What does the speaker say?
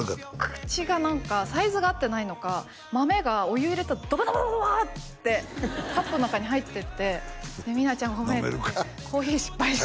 口が何かサイズが合ってないのか豆がお湯入れたらドバドバドバドバッ！ってカップの中に入ってってで「みなちゃんごめんコーヒー失敗した」